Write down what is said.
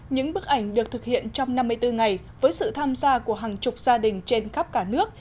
những bức ảnh được thực hiện trong năm mươi bốn ngày với sự tham gia của hàng chục gia đình trên khắp cả nước